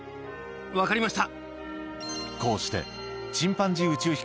分かりました。